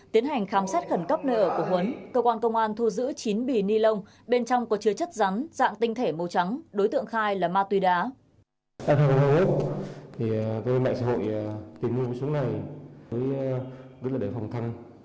tiến hành khám sát khẩn cấp nơi ở của huấn cơ quan công an thu giữ chín bì ni lông bên trong có chất dạng tinh thể rắn màu trắng đối tượng khai là ma túy đá